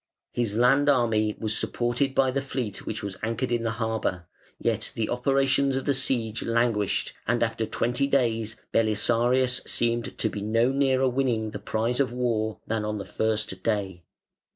His land army was supported by the fleet which was anchored in the harbour, yet the operations of the siege languished, and after twenty days Belisarius seemed to be no nearer winning the prize of war than on the first day.